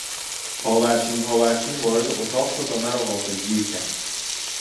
پاورچین پاورچین وارد اتاق شد و مرا غافلگیر کرد.